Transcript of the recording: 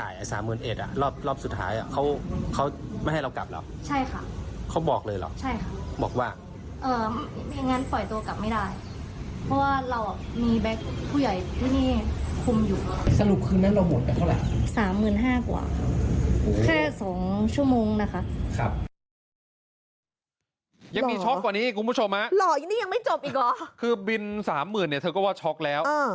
อย่างน้อยช็อคแล้ว